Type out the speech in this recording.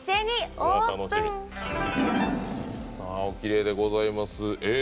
おきれいでございます。